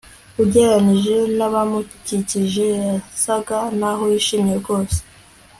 Ugereranije nabamukikije yasaga naho yishimye rwose